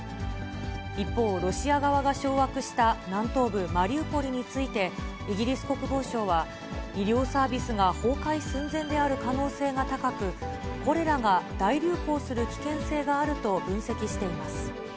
一方、ロシア側が掌握した南東部マリウポリについて、イギリス国防省は、医療サービスが崩壊寸前である可能性が高く、コレラが大流行する危険性があると分析しています。